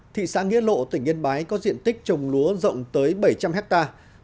thị xã nghĩa lộ tỉnh yên bái có diện tích trồng lúa rộng tới bảy trăm linh hectare